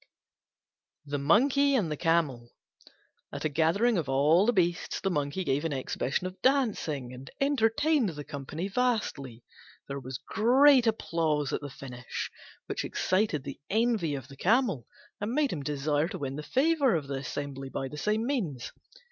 THE MONKEY AND THE CAMEL At a gathering of all the beasts the Monkey gave an exhibition of dancing and entertained the company vastly. There was great applause at the finish, which excited the envy of the Camel and made him desire to win the favour of the assembly by the same means.